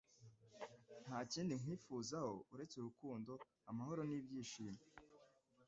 Nta kindi kwifuzaho uretse urukundo, amahoro n’ibyishimo